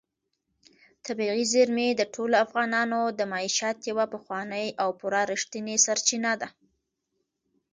طبیعي زیرمې د ټولو افغانانو د معیشت یوه پخوانۍ او پوره رښتینې سرچینه ده.